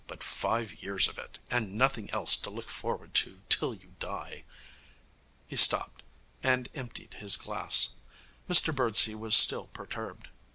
But five years of it, and nothing else to look forward to till you die....' He stopped, and emptied his glass. Mr Birdsey was still perturbed.